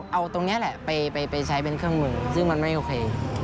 เอาตรงนี้แหละไปใช้เป็นเครื่องมือซึ่งมันไม่โอเค